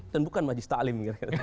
dan bukan majis taklim